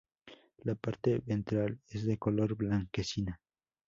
La parte ventral es de color blanquecina.